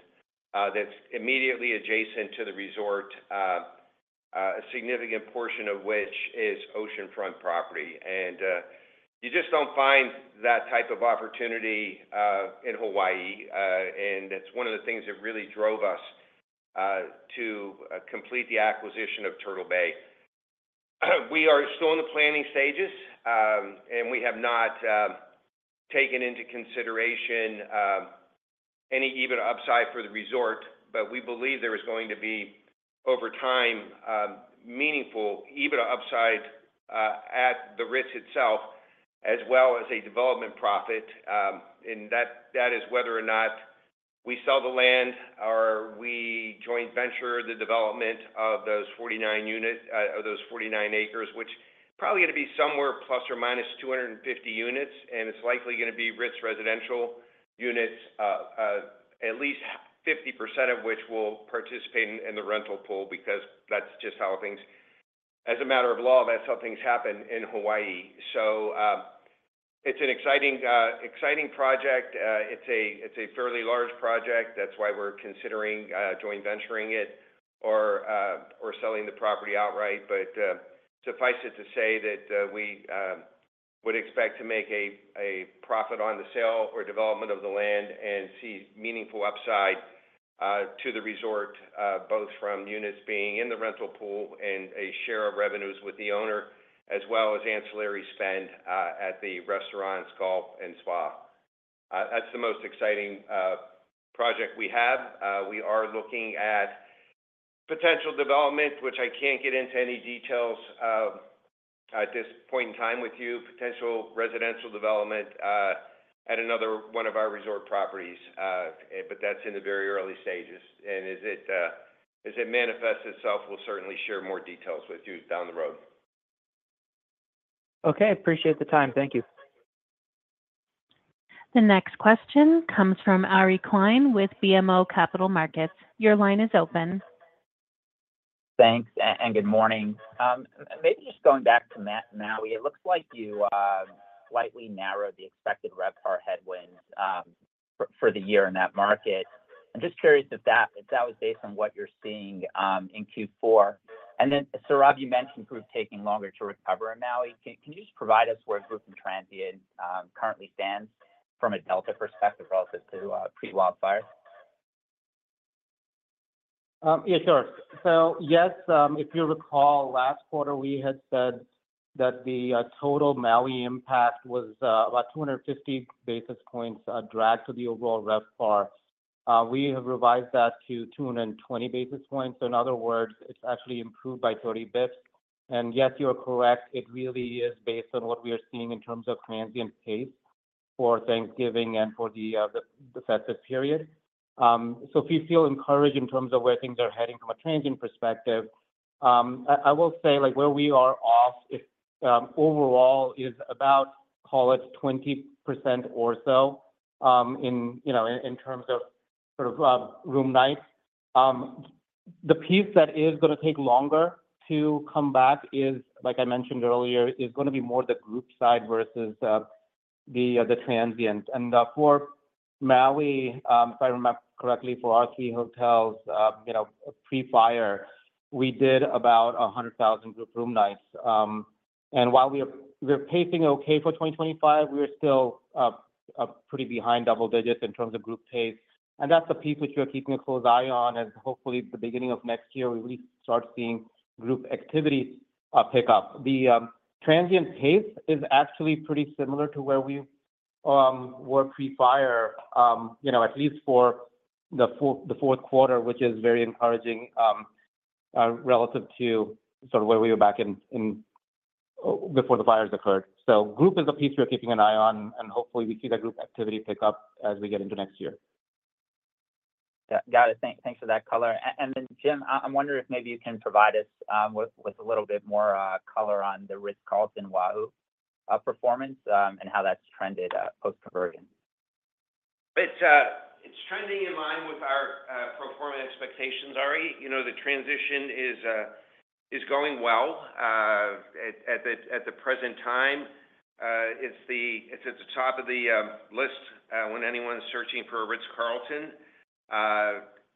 that's immediately adjacent to the resort, a significant portion of which is oceanfront property. And you just don't find that type of opportunity in Hawaii. And that's one of the things that really drove us to complete the acquisition of Turtle Bay. We are still in the planning stages, and we have not taken into consideration any EBITDA upside for the resort. But we believe there is going to be, over time, meaningful EBITDA upside at the Ritz itself, as well as a development profit. And that is whether or not we sell the land or we joint venture the development of those 49 acres, which is probably going to be somewhere ±250 units. And it's likely going to be Ritz residential units, at least 50% of which will participate in the rental pool because that's just how things, as a matter of law, that's how things happen in Hawaii. So it's an exciting project. It's a fairly large project. That's why we're considering joint venturing it or selling the property outright. But suffice it to say that we would expect to make a profit on the sale or development of the land and see meaningful upside to the resort, both from units being in the rental pool and a share of revenues with the owner, as well as ancillary spend at the restaurants, golf, and spa. That's the most exciting project we have. We are looking at potential development, which I can't get into any details at this point in time with you, potential residential development at another one of our resort properties. But that's in the very early stages. And as it manifests itself, we'll certainly share more details with you down the road. Okay. Appreciate the time. Thank you. The next question comes from Ari Klein with BMO Capital Markets. Your line is open. Thanks, and good morning. Maybe just going back to Maui, it looks like you slightly narrowed the expected RevPAR headwinds for the year in that market. I'm just curious if that was based on what you're seeing in Q4. And then, Sourav, you mentioned group taking longer to recover in Maui. Can you just provide us where group and transient currently stands from a delta perspective relative to pre-wildfire? Yeah, sure. So yes, if you recall, last quarter, we had said that the total Maui impact was about 250 basis points dragged to the overall RevPAR. We have revised that to 220 basis points. So in other words, it's actually improved by 30 basis points. And yes, you're correct. It really is based on what we are seeing in terms of transient pace for Thanksgiving and for the festive period. So if you feel encouraged in terms of where things are heading from a transient perspective, I will say where we are off overall is about, call it, 20% or so in terms of sort of room nights. The piece that is going to take longer to come back, like I mentioned earlier, is going to be more the group side versus the transient. And for Maui, if I remember correctly, for our three hotels pre-fire, we did about 100,000 group room nights. And while we're pacing okay for 2025, we're still pretty behind double digits in terms of group pace. And that's the piece which we're keeping a close eye on. And hopefully, the beginning of next year, we really start seeing group activity pick up. The transient pace is actually pretty similar to where we were pre-fire, at least for the fourth quarter, which is very encouraging relative to sort of where we were back before the fires occurred. So group is a piece we're keeping an eye on, and hopefully, we see that group activity pick up as we get into next year. Got it. Thanks for that color. And then, Jim, I'm wondering if maybe you can provide us with a little bit more color on the Ritz-Carlton O'ahu performance and how that's trended post-conversion. It's trending in line with our pro forma expectations, Ari. The transition is going well. At the present time, it's at the top of the list when anyone's searching for a Ritz-Carlton.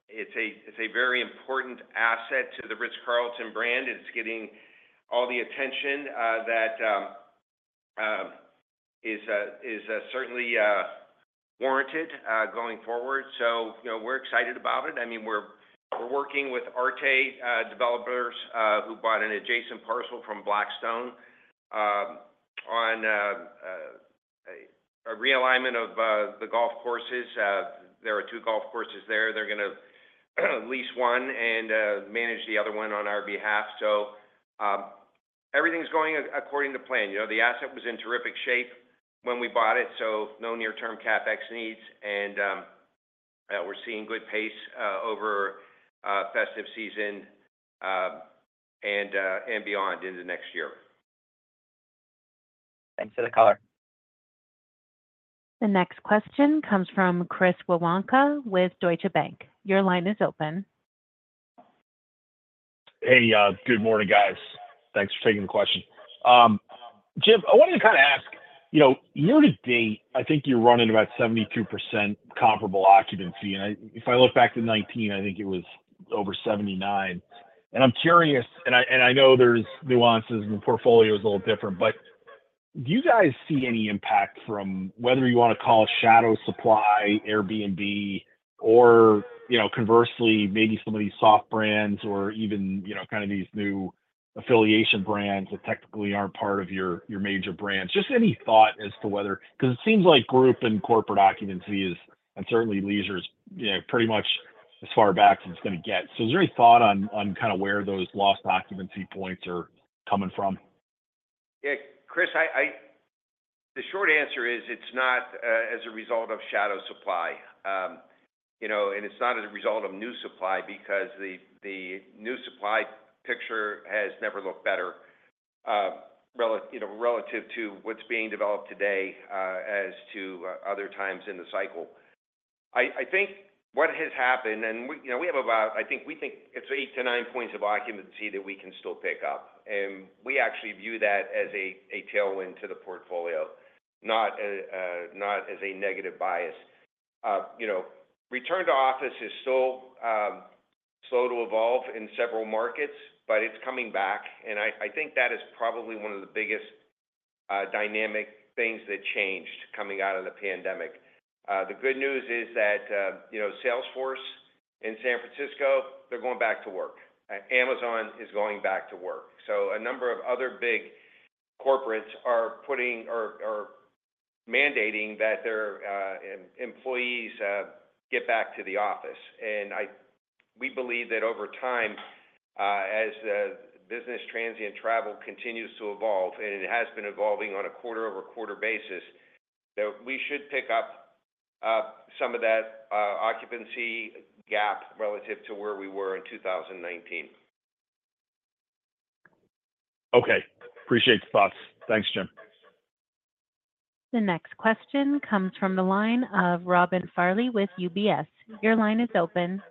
It's a very important asset to the Ritz-Carlton brand. It's getting all the attention that is certainly warranted going forward. So we're excited about it. I mean, we're working with Arete Collective, who bought an adjacent parcel from Blackstone on a realignment of the golf courses. There are two golf courses there. They're going to lease one and manage the other one on our behalf. So everything's going according to plan. The asset was in terrific shape when we bought it, so no near-term CapEx needs. And we're seeing good pace over festive season and beyond into next year. Thanks for the color. The next question comes from Chris Woronka with Deutsche Bank. Your line is open. Hey, good morning, guys. Thanks for taking the question. Jim, I wanted to kind of ask, year to date, I think you're running about 72% comparable occupancy. And if I look back to 2019, I think it was over 79%. And I'm curious, and I know there's nuances and the portfolio is a little different, but do you guys see any impact from whether you want to call it shadow supply, Airbnb, or conversely, maybe some of these soft brands or even kind of these new affiliation brands that technically aren't part of your major brands? Just any thought as to whether because it seems like group and corporate occupancy is, and certainly leisure, is pretty much as far back as it's going to get. So is there any thought on kind of where those lost occupancy points are coming from? Yeah. Chris, the short answer is it's not as a result of shadow supply. And it's not as a result of new supply because the new supply picture has never looked better relative to what's being developed today as to other times in the cycle. I think what has happened, and we have about, I think we think it's eight to nine points of occupancy that we can still pick up. And we actually view that as a tailwind to the portfolio, not as a negative bias. Return to office is still slow to evolve in several markets, but it's coming back. And I think that is probably one of the biggest dynamic things that changed coming out of the pandemic. The good news is that Salesforce in San Francisco, they're going back to work. Amazon is going back to work. So a number of other big corporates are mandating that their employees get back to the office. We believe that over time, as business transient travel continues to evolve, and it has been evolving on a quarter-over-quarter basis, that we should pick up some of that occupancy gap relative to where we were in 2019. Okay. Appreciate the thoughts. Thanks, Jim. The next question comes from the line of Robin Farley with UBS. Your line is open.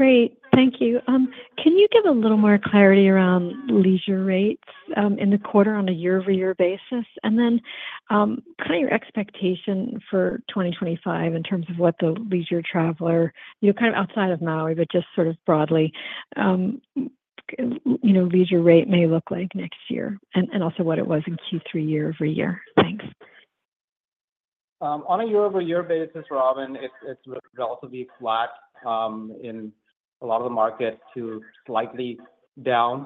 Great. Thank you. Can you give a little more clarity around leisure rates in the quarter on a year-over-year basis? And then kind of your expectation for 2025 in terms of what the leisure traveler, kind of outside of Maui, but just sort of broadly, leisure rate may look like next year and also what it was in Q3 year-over-year. Thanks. On a year-over-year basis, Robin, it's relatively flat in a lot of the market to slightly down.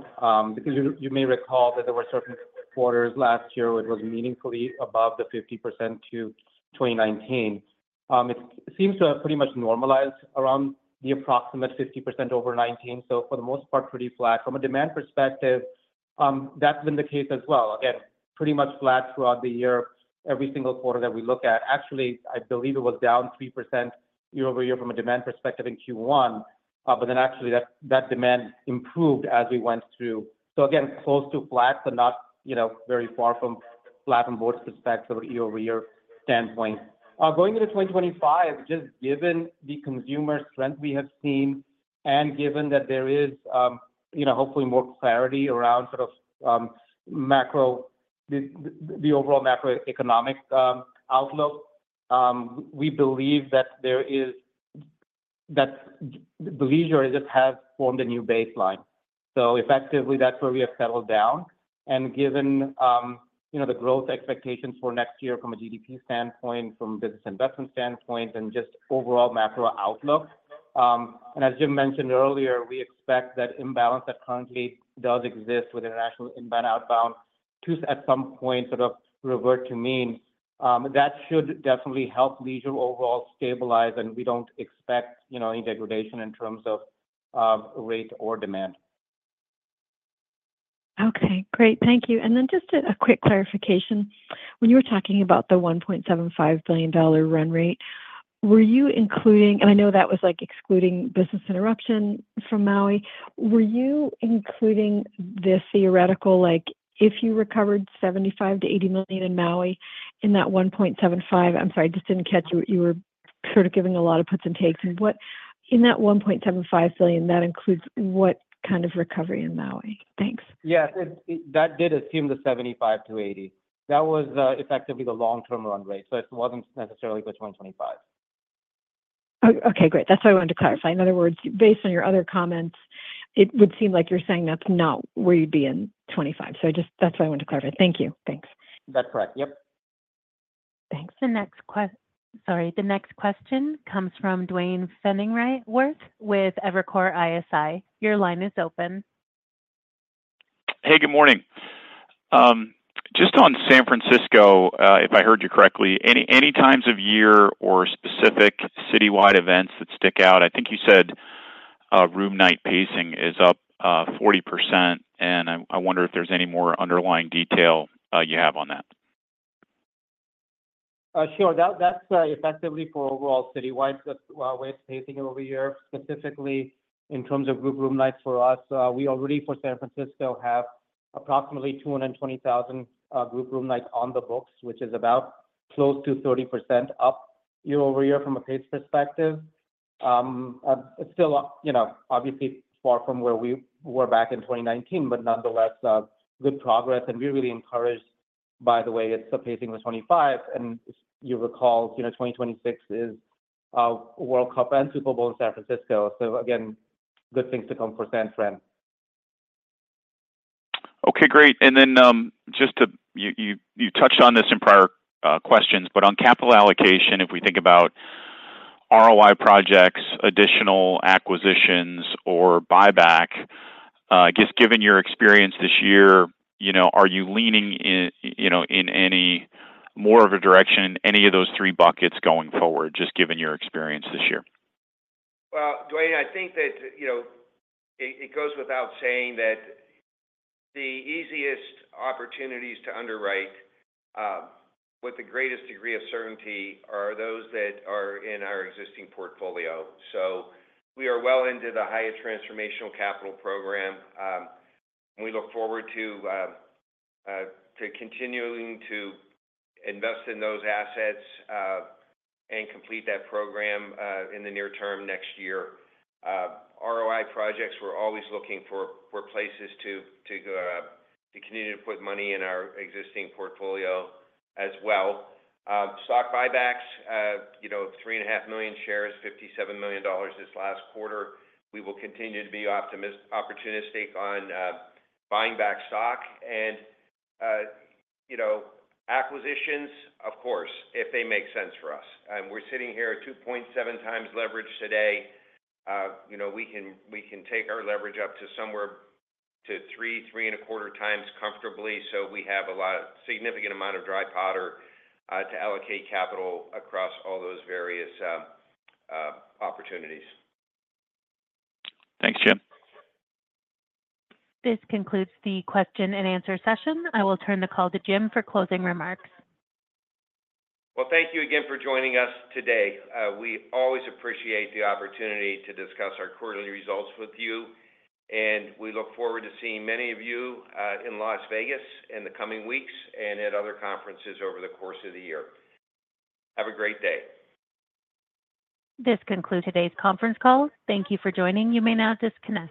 Because you may recall that there were certain quarters last year where it was meaningfully above the 50% to 2019. It seems to have pretty much normalized around the approximate 50% over 2019. So for the most part, pretty flat. From a demand perspective, that's been the case as well. Again, pretty much flat throughout the year, every single quarter that we look at. Actually, I believe it was down 3% year-over-year from a demand perspective in Q1, but then actually that demand improved as we went through. So again, close to flat, but not very far from flat from both perspectives or year-over-year standpoint. Going into 2025, just given the consumer strength we have seen and given that there is hopefully more clarity around sort of the overall macroeconomic outlook, we believe that the leisure just has formed a new baseline. So effectively, that's where we have settled down. And given the growth expectations for next year from a GDP standpoint, from a business investment standpoint, and just overall macro outlook. And as Jim mentioned earlier, we expect that imbalance that currently does exist with international inbound and outbound to at some point sort of revert to mean. That should definitely help leisure overall stabilize, and we don't expect any degradation in terms of rate or demand. Okay. Great. Thank you. And then just a quick clarification. When you were talking about the $1.75 billion run rate, were you including, and I know that was excluding business interruption from Maui, were you including the theoretical, if you recovered $75 million-$80 million in Maui in that $1.75 billion? I'm sorry, I just didn't catch you. You were sort of giving a lot of puts and takes. In that $1.75 billion, that includes what kind of recovery in Maui? Thanks. Yes. That did assume the $75 million-$80 million. That was effectively the long-term run rate. So it wasn't necessarily for 2025. Okay. Great. That's why I wanted to clarify. In other words, based on your other comments, it would seem like you're saying that's not where you'd be in 2025. So that's why I wanted to clarify. Thank you. Thanks. That's correct. Yep. Thanks. Sorry. The next question comes from Duane Pfennigwerth with Evercore ISI. Your line is open. Hey, good morning. Just on San Francisco, if I heard you correctly, any times of year or specific citywide events that stick out? I think you said room night pacing is up 40%, and I wonder if there's any more underlying detail you have on that. Sure. That's effectively for overall citywide way of pacing over year. Specifically, in terms of group room nights for us, we already, for San Francisco, have approximately 220,000 group room nights on the books, which is about close to 30% up year-over-year from a pace perspective. It's still obviously far from where we were back in 2019, but nonetheless, good progress. And we're really encouraged, by the way; it's the pacing of 2025. And you recall 2026 is World Cup and Super Bowl in San Francisco. So again, good things to come for San Fran. Okay. Great. And then just to, you touched on this in prior questions, but on capital allocation, if we think about ROI projects, additional acquisitions, or buyback, just given your experience this year, are you leaning in any more of a direction in any of those three buckets going forward, just given your experience this year? Duane, I think that it goes without saying that the easiest opportunities to underwrite with the greatest degree of certainty are those that are in our existing portfolio. We are well into the Hyatt Transformational Capital Program. We look forward to continuing to invest in those assets and complete that program in the near term next year. ROI projects, we're always looking for places to continue to put money in our existing portfolio as well. Stock buybacks, 3.5 million shares, $57 million this last quarter. We will continue to be opportunistic on buying back stock. Acquisitions, of course, if they make sense for us. We're sitting here at 2.7 times leverage today. We can take our leverage up to somewhere to three, three and a quarter times comfortably. We have a significant amount of dry powder to allocate capital across all those various opportunities. Thanks, Jim. This concludes the question-and-answer session. I will turn the call to Jim for closing remarks. Well, thank you again for joining us today. We always appreciate the opportunity to discuss our quarterly results with you. And we look forward to seeing many of you in Las Vegas in the coming weeks and at other conferences over the course of the year. Have a great day. This concludes today's conference call. Thank you for joining. You may now disconnect.